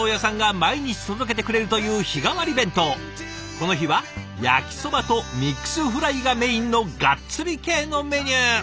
この日は焼きそばとミックスフライがメインのがっつり系のメニュー。